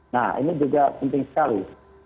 nah ini juga penting sekali